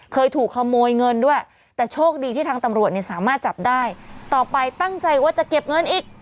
เคยถูกขโมยเงินด้วยแต่โชคดีที่ทางตำรวจเนี่ยสามารถจับได้ต่อไปตั้งใจว่าจะเก็บเงินอีก